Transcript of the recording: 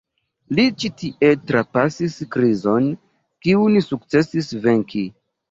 Li ĉi tie trapasis krizon, kiun sukcesis venki.